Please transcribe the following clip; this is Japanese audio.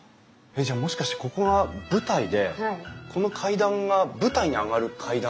じゃあもしかしてここは舞台でこの階段が舞台に上がる階段？